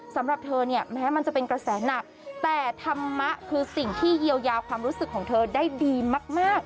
สำหรับเธอเนี่ยแม้มันจะเป็นกระแสหนักแต่ธรรมะคือสิ่งที่เยียวยาความรู้สึกของเธอได้ดีมาก